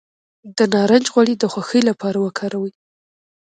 د نارنج غوړي د خوښۍ لپاره وکاروئ